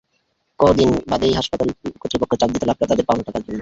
কদিন বাদেই হাসপাতাল কর্তৃপক্ষ চাপ দিতে লাগল তাদের পাওনা টাকার জন্য।